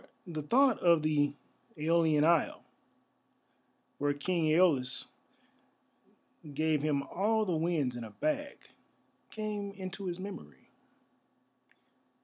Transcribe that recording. For the thought of the Æolian isle, where King Æolus gave him all the winds in a bag, came into his memory.